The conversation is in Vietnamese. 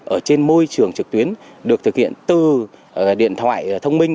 ở trên môi trường trực tuyến được thực hiện từ điện thoại thông minh